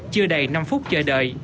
chưa đầy năm phút chờ đợi